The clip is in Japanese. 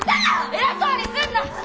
偉そうにすんな！